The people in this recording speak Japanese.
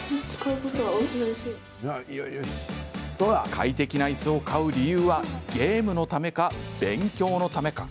快適ないすを買う理由はゲームのためか、勉強のためか。